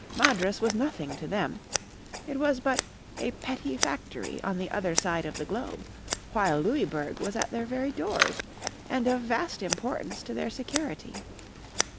Madras was nothing to them; it was but a "petty factory" on the other side of the globe; while Louisburg was at their very doors, and of vast importance to their security.